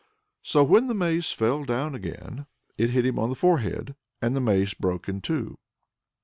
So when the mace fell down again it hit him on the forehead. And the mace broke in two.